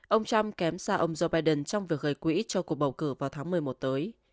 ông trump kém xa ông joe biden trong việc gây quỹ cho cuộc bầu cử vào tháng một mươi một tới